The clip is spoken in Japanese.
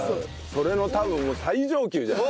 それの多分最上級じゃない？